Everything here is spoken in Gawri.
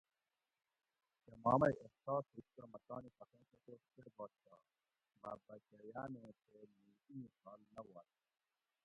کہ ما مئی احساس ہُوش تہ مہ تانی حقیں تپوس کۤرباش تہ مہ بچہ یانیں تے مُو ای حال نہ وۤش